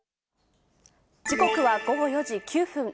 時刻は午後４時９分。